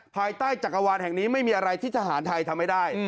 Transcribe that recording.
ภายใต้จักรวาลแห่งนี้ไม่มีอะไรที่ทหารไทยทำไม่ได้